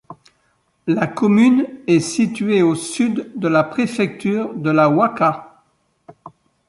La commune est située au sud de la préfecture de la Ouaka.